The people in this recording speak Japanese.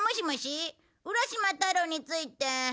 浦島太郎について。